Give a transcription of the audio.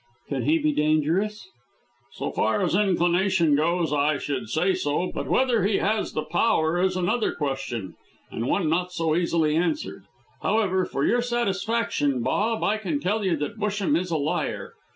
"Can he be dangerous?" "So far as inclination goes I should say so, but whether he has the power is another question, and one not so easily answered. However, for your satisfaction, Bob, I can tell you that Busham is a liar.